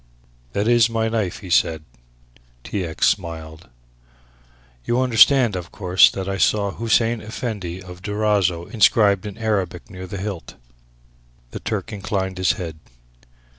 "That is my knife," he said. T. X. smiled. "You understand, of course, that I saw 'Hussein Effendi of Durazzo' inscribed in Arabic near the hilt." The Turk inclined his head.